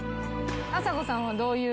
あさこさんはどういう。